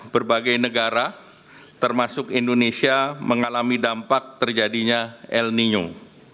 berbagai negara termasuk indonesia mengalami dampak terjadinya el nino